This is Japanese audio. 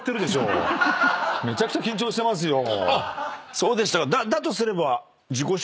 そうでしたか。